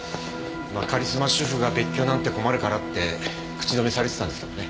まあカリスマ主婦が別居なんて困るからって口止めされてたんですけどね。